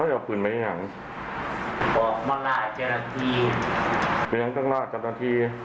ตอนนี้เพราะว่าร่มรวดกับผม